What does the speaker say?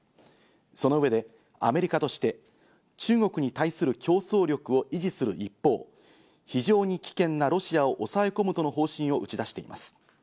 その上で、アメリカとして、中国に対する競争力を維持する一方、非常に危険なロシアを抑え込むとの方針を打ち出しています。